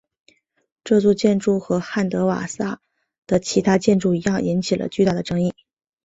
这座建筑和汉德瓦萨的其他建筑一样引起了巨大的争议。